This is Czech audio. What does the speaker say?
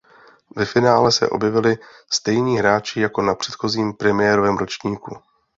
Ve finále se objevili stejní hráči jako na předchozím premiérovém ročníku.